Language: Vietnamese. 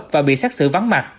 và bị xác xử vắng mặt